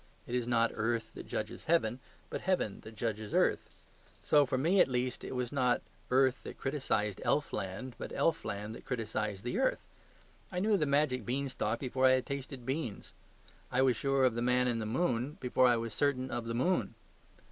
It is not earth that judges heaven, but heaven that judges earth; so for me at least it was not earth that criticised elfland, but elfland that criticised the earth. I knew the magic beanstalk before I had tasted beans; I was sure of the Man in the Moon before I was certain of the moon.